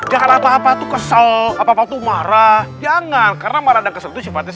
jangan apa apa tuh kesal apa apa tuh marah jangan karena marah dan kesel itu sifatnya